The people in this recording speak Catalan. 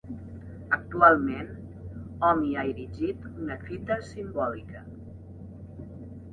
Actualment, hom hi ha erigit una fita simbòlica.